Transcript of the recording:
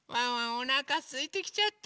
おなかすいてきちゃった。